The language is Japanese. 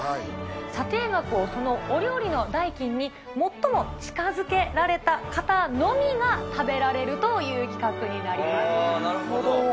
査定額をそのお料理の代金に最も近づけられた方のみが食べられるなるほど。